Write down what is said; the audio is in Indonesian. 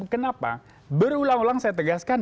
kenapa berulang ulang saya tegaskan